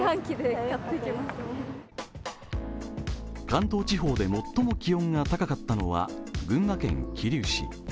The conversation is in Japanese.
関東地方で最も気温が高かったのは群馬県桐生市。